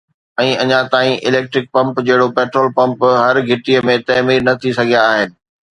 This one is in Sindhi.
۽ اڃا تائين اليڪٽرڪ پمپ جهڙوڪ پيٽرول پمپ هر گهٽي ۾ تعمير نه ٿي سگهيا آهن